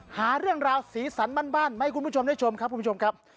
หาเรื่องราวสีสันบ้านมาให้คุณผู้ชมได้ชมครับคุณผู้ชมครับ